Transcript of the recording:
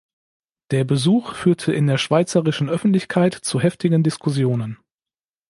Der Besuch führte in der schweizerischen Öffentlichkeit zu heftigen Diskussionen.